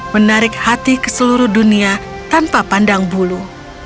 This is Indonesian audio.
menarik hati ke seluruh dunia tanpa pandang bulu